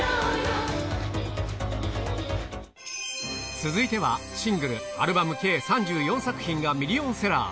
続いては、シングル、アルバム計３４作品がミリオンセラー。